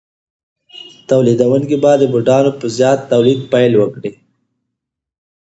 تولیدونکي به د بوټانو په زیات تولید پیل وکړي